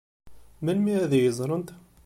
Melmi ad iyi-ẓṛent?